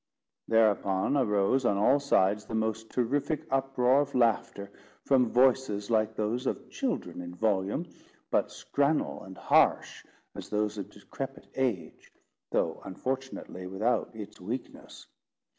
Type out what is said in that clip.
Thereupon arose, on all sides, the most terrific uproar of laughter, from voices like those of children in volume, but scrannel and harsh as those of decrepit age, though, unfortunately, without its weakness.